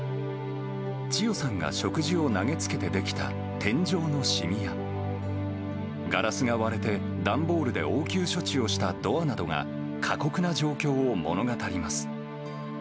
チヨさんが食事を投げつけて出来た天井の染みや、ガラスが割れて、段ボールで応急処置をしたドアなどが、過酷な状況を物語ります。